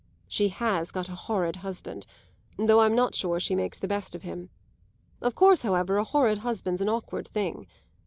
She has got a horrid husband, though I'm not sure she makes the best of him. Of course, however, a horrid husband's an awkward thing.